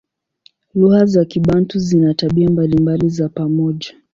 Lugha za Kibantu zina tabia mbalimbali za pamoja.